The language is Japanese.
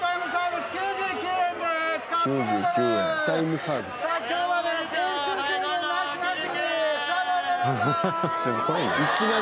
すごいな。